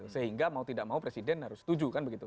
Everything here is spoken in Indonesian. sehingga mau tidak mau presiden harus setuju kan begitu